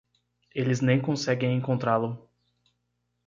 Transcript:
Eles nem conseguem encontrá-lo.